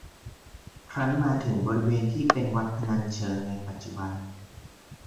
ครั้นมาถึงบริเวณที่เป็นวัดพนัญเชิงในปัจจุบัน